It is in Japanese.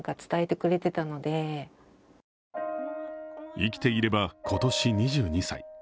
生きていれば今年２２歳。